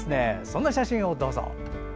そんな写真をどうぞ。